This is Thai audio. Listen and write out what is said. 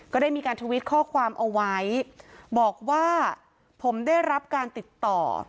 ก็ได้มีการทวิตข้อความเอาไว้บอกว่าผมได้รับการติดต่อ